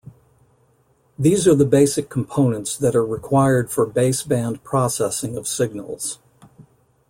These are the basic components that are required for baseband processing of signals.